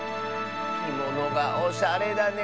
きものがおしゃれだね。